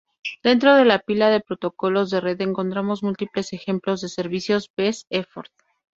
Dentro de la pila de protocolos de red encontramos múltiples ejemplos de servicios "best-effort".